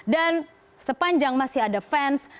sepanjang masih ada fans